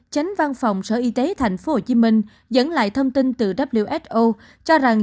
tránh văn phòng sở y tế tp hcm dẫn lại thông tin từ who cho rằng